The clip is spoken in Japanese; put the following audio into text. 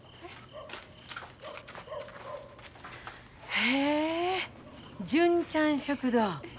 へえ純ちゃん食堂。